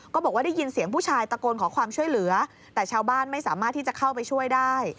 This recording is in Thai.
ก็บอกว่าได้ยินเสียงผู้ชายตะโกนขอความช่วยเหลือแต่ชาวบ้านไม่สามารถที่จะเข้าไปช่วยได้